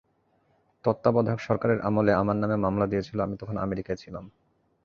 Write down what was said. তত্ত্বাবধায়ক সরকারের আমলে আমার নামে মামলা দিয়েছিল, আমি তখন আমেরিকায় ছিলাম।